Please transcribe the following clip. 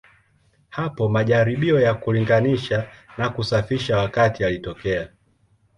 Hapo majaribio ya kulinganisha na kusafisha wakati yalitokea.